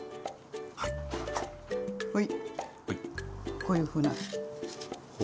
こういうふうに。